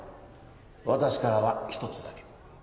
私からは１つだけ。